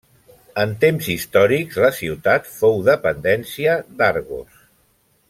En temps històrics la ciutat fou dependència d'Argos.